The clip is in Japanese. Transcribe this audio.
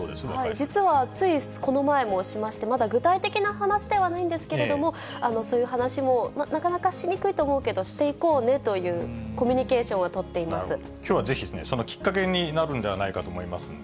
実はついこの前もしまして、まだ具体的な話ではないんですけれども、そういう話も、なかなかしにくいと思うけど、していこうねという、コミュニケーションはきょうはぜひ、そのきっかけになるんではないかと思いますんで。